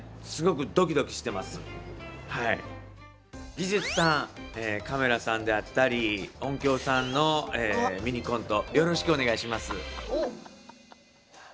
技術さんカメラさんであったり音響さんのミニコントよろしくお願いします。